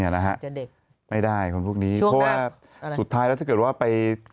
นี่นะฮะ